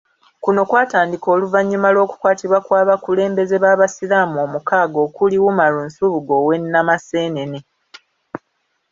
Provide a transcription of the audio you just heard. Kuno kwatandika oluvanyuma lw'okukwatibwa kw'abakulembeze babasiraamu omukaaga okuli, Umaru Nsubuga ow'e Namaseenene.